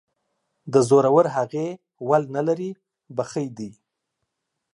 د زورورهغې ول نه لري ،بخۍ دى.